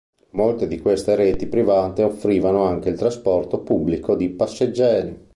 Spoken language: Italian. Molte di queste reti private offrivano anche il trasporto pubblico di passeggeri.